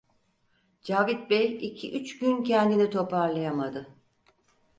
Cavit Bey iki üç gün kendini toparlayamadı.